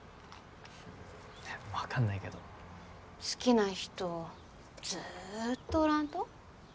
分かんないけど好きな人ずーっとおらんと？